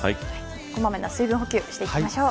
小まめな水分補給をしていきましょう。